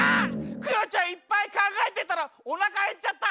クヨちゃんいっぱいかんがえてたらおなかへっちゃった。